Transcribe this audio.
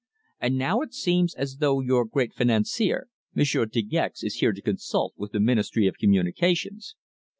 And now it seems as though your great financier, Monsieur De Gex, is here to consult with the Ministry of Communications."